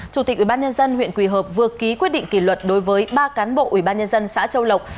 chủ tịch ubnd huyện quỳ hợp vừa ký quyết định kỷ luật đối với ba cán bộ ubnd xã châu lộc